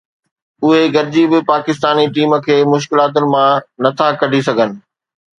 اهي گڏجي به پاڪستاني ٽيم کي مشڪلاتن مان نه ٿا ڪڍي سگهن